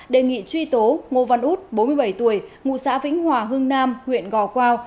đề nghị truy tố ngô văn út bốn mươi bảy tuổi ngụ xã vĩnh hòa hưng nam huyện gò quao